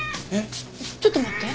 ちょっと待って。